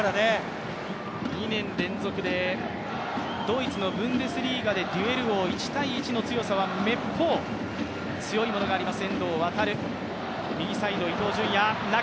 ２年連続でドイツのブンデスリーガでデュエル王、１−１の強さはめっぽう強いものがあります。